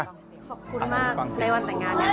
ขอบคุณมากในวันแต่งงาน